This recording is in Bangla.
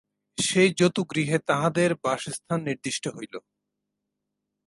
সেই জতুগৃহে তাঁহাদের বাসস্থান নির্দিষ্ট হইল।